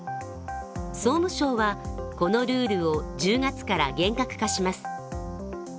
総務省はこのルールを１０月から厳格化します。